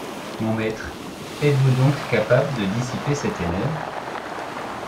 Mon maître, êtes-vous donc capable de dissiper ces ténèbres ?